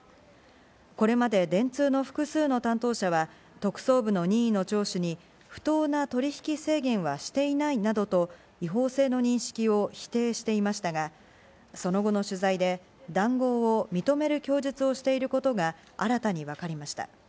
これまで電通の複数の担当者は、特捜部の任意の聴取に不当な取引制限はしていないなどと違法性の認識を否定していましたが、その後の取材で談合を認める供述をしていることが新たに分かりました。